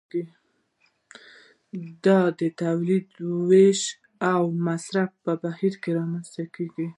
دا د تولید د ویش او مصرف په بهیر کې رامنځته کیږي.